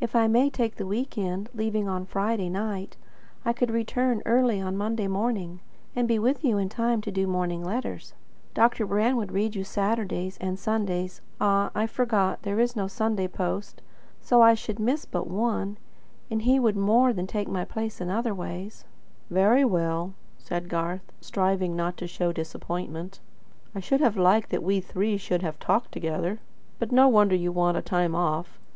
If I may take the week end, leaving on Friday night, I could return early on Monday morning, and be with you in time to do the morning letters. Dr. Brand would read you Saturday's and Sunday's Ah, I forgot; there is no Sunday post. So I should miss but one; and he would more than take my place in other ways." "Very well," said Garth, striving not to show disappointment. "I should have liked that we three should have talked together. But no wonder you want a time off.